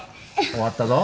終わったぞ。